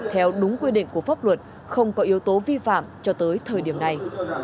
theo đúng quy định của pháp luật không có yếu tố vi phạm cho tới thời điểm này